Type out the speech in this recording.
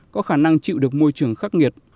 có khả năng chịu được môi trường khắc nghiệt